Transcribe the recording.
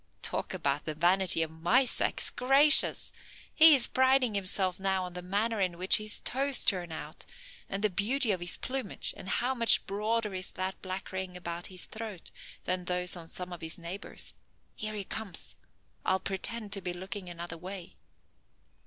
Talk about the vanity of my sex! Gracious! He is priding himself now on the manner in which his toes turn out, and the beauty of his plumage, and how much broader is that black ring about his throat than those on some of his neighbors. Here he comes. I'll pretend to be looking another way.